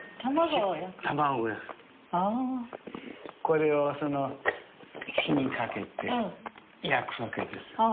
これを火にかけて焼く訳です。